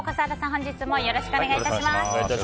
本日もよろしくお願いいたします。